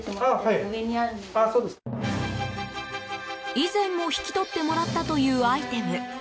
以前も引き取ってもらったというアイテム。